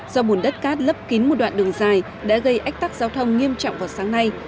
do bùn đất cát lấp kín một đoạn đường dài đã gây ách tắc giao thông nghiêm trọng vào sáng nay